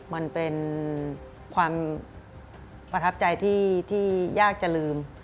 มันเป็นความประทับใจที่ยากจะลืม